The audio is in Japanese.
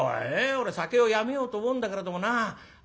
俺酒をやめようと思うんだけれどもなあ